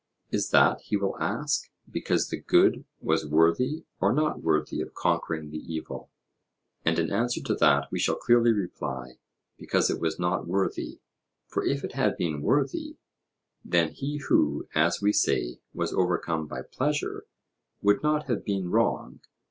Is that, he will ask, because the good was worthy or not worthy of conquering the evil'? And in answer to that we shall clearly reply, Because it was not worthy; for if it had been worthy, then he who, as we say, was overcome by pleasure, would not have been wrong.